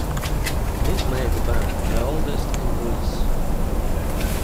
This made the bank the oldest in Greece.